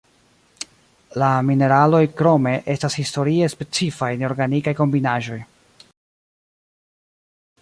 La mineraloj, krome, estas historie specifaj neorganikaj kombinaĵoj.